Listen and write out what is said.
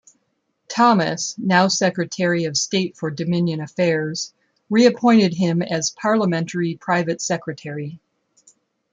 Thomas, now Secretary of State for Dominion Affairs, reappointed him as Parliamentary Private Secretary.